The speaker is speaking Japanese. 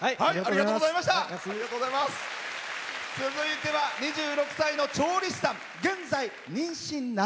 続いては２６歳の調理師さん。